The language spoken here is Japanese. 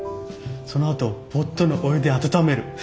そのあとポットのお湯で温める。